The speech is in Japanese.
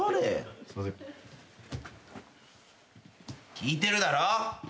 聞いてるだろ？